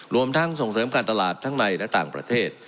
รวมทั้งส่งเสริมการตลาดทั้งในและต่างประเทศ